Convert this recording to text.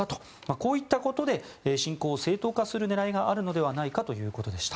こういったことで侵攻を正当化する狙いがあるのではないかということでした。